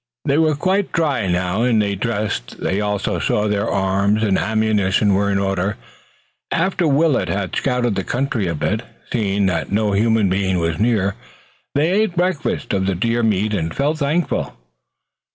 They were quite dry now, and they dressed. They also saw that their arms and ammunition were in order, and after Willet had scouted the country a bit, seeing that no human being was near, they ate breakfast of the deer meat and felt thankful.